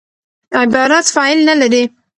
عبارت فاعل نه لري.